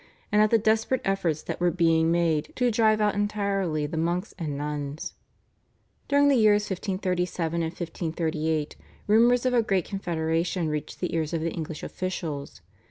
and at the desperate efforts that were being made to drive out entirely the monks and nuns. During the years 1537 and 1538 rumours of a great confederation reached the ears of the English officials.